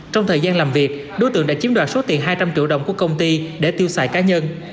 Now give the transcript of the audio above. trong thời gian làm việc đối tượng đã chiếm đoạt số tiền hai trăm linh triệu đồng của công ty để tiêu xài cá nhân